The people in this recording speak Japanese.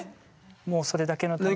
もうそれだけのために。